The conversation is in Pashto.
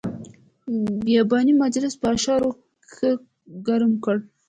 بیاباني مجلس په اشعارو ښه ګرم کړ.